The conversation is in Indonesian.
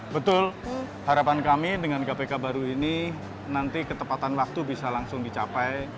betul harapan kami dengan kpk baru ini nanti ketepatan waktu bisa langsung dicapai